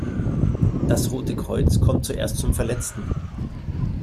Das Rote Kreuz kommt zuerst zum Verletzten.